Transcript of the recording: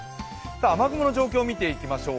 雨雲の状況を見ていきましょう。